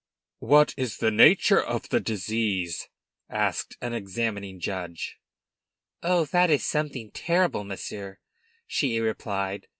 "What is the nature of the disease?" asked an examining judge. "Oh, it is something terrible, monsieur," she replied.